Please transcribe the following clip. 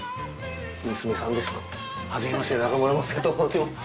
娘さんですか？